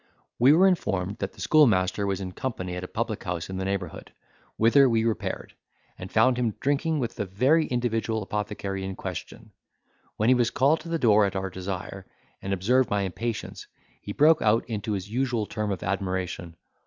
We were informed, that the schoolmaster was in company at a publichouse in the neighbourhood, whither we repaired, and found him drinking with the very individual apothecary in question. When he was called to the door at our desire, and observed my impatience, he broke out into his usual term of admiration.